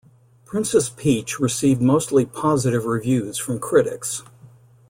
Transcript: Princess Peach received mostly positive reviews from critics.